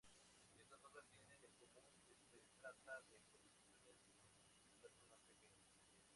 Estas obras tienen en común que se trata de colecciones de relatos más pequeños.